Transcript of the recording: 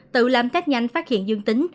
tự làm test nhanh phát hiện dương tính